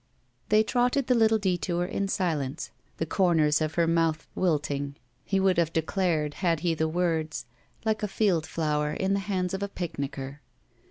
They trotted the little detour in silence, the comers of her mouth wilting, he would have declared, had he the words, like a field flower in the hands of a picnicker.